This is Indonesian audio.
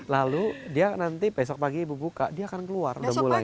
lalu dia nanti besok pagi buka dia akan keluar udah mulai